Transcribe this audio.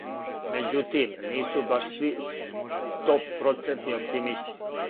Међутим, нису баш сви стопроцентни оптимисти.